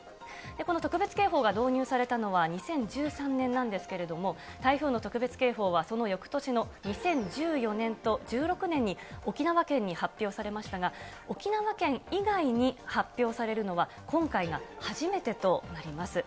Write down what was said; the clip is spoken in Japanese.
この特別警報が導入されたのは２０１３年なんですけれども、台風の特別警報はそのよくとしの２０１４年と１６年に沖縄県に発表されましたが、沖縄県以外に発表されるのは今回が初めてとなります。